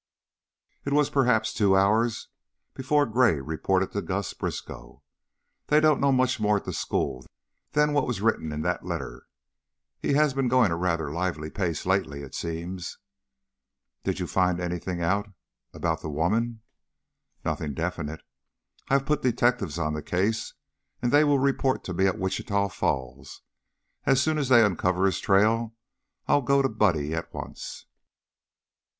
It was perhaps two hours before Gray reported to Gus Briskow: "They don't know much more at the school than was written in that letter. He has been going a rather lively pace lately, it seems." "Did you find out anything about the the woman?" "Nothing definite. I have put detectives on the case, and they will report to me at Wichita Falls. As soon as they uncover his trail, I'll go to Buddy at once."